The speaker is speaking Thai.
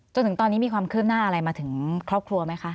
จนถึงตอนนี้มีความคืบหน้าอะไรมาถึงครอบครัวไหมคะ